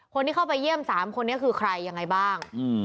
คนที่เข้าไปเยี่ยม๓คนนี้คือใครยังไงบ้าง